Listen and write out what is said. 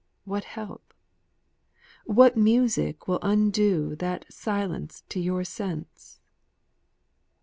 what help? what music will undo That silence to your sense?"